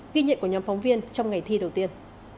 ghi nhận của nhóm phóng viên trong ngày thi đầu tiên